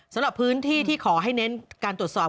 สำหรับพื้นที่ที่ขอให้เน้นการตรวจสอบ